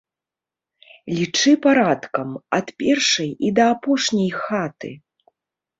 Лічы парадкам, ад першай і да апошняй хаты.